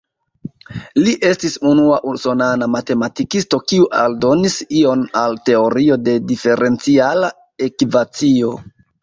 Li estis unua usonana matematikisto kiu aldonis ion al teorio de diferenciala ekvacio.